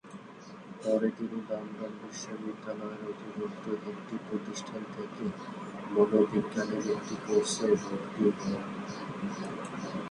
পরে তিনি লন্ডন বিশ্ববিদ্যালয়ের অধিভুক্ত একটি প্রতিষ্ঠান থেকে মনোবিজ্ঞানের একটি কোর্সে ভর্তি হন।